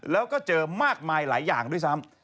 แล้วก็เจอมากมายหลายอย่างด้วยซ้ำ